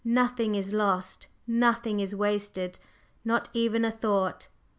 Nothing is lost, nothing is wasted, not even a thought.